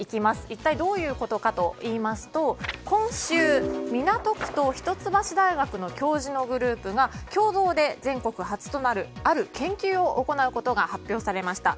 一体どういうことかといいますと今週、港区と一橋大学の教授のグループが共同で全国初となるある研究を行うことが発表されました。